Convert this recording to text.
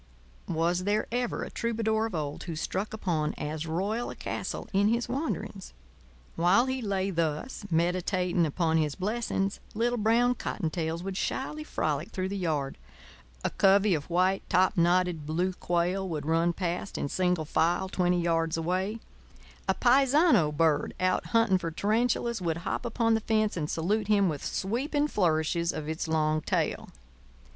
Was there ever a troubadour of old who struck upon as royal a castle in his wanderings? While he lay thus, meditating upon his blessings, little brown cottontails would shyly frolic through the yard; a covey of white topknotted blue quail would run past, in single file, twenty yards away; a paisano bird, out hunting for tarantulas, would hop upon the fence and salute him with sweeping flourishes of its long tail.